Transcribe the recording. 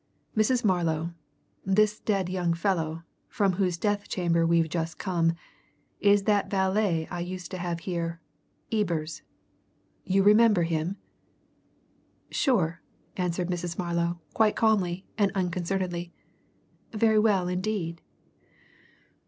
Mrs. Marlow, this dead young fellow, from whose death chamber we've just come, is that valet I used to have here Ebers. You remember him?" "Sure!" answered Mrs. Marlow, quite calmly and unconcernedly. "Very well indeed."